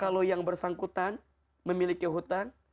kalau yang bersangkutan memiliki hutang